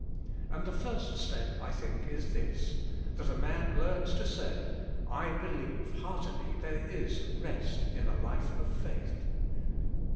And the first step, I think, is this: that a man learns to say, ''I believe, heartily, there is rest in a life of faith."